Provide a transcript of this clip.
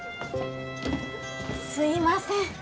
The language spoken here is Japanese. すいません